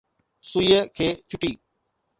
سُئيءَ کي ڇُٽي